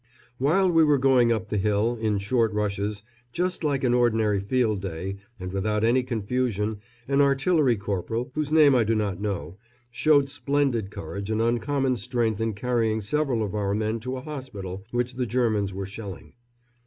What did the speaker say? While we were going up the hill, in short rushes, just like an ordinary field day, and without any confusion, an artillery corporal, whose name I do not know, showed splendid courage and uncommon strength in carrying several of our men to a hospital which the Germans were shelling.